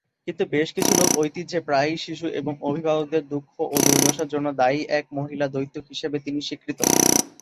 কিন্তু বেশ কিছু লোক-ঐতিহ্যে প্রায়ই শিশু এবং অভিভাবকদের দুঃখ ও দুর্দশার জন্য দায়ী এক মহিলা দৈত্য হিসেবে তিনি স্বীকৃত।